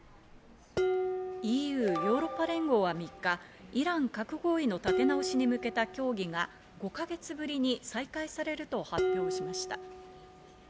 ＥＵ＝ヨーロッパ連合は３日、イラン核合意の立て直しに向けた協議が５か月ぶりに再開されると発表しました。